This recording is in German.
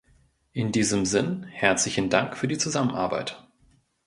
In diesem Sinn herzlichen Dank für die Zusammenarbeit.